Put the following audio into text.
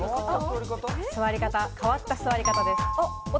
座り方、変わった座り方です。